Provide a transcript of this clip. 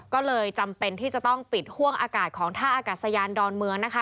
ก็เลยจำเป็นที่จะต้องปิดห่วงอากาศของท่าอากาศยานดอนเมืองนะคะ